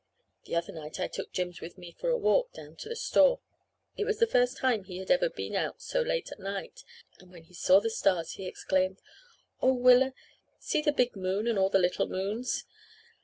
The other night I took Jims with me for a walk down to the store. It was the first time he had ever been out so late at night, and when he saw the stars he exclaimed, 'Oh, Willa, see the big moon and all the little moons!'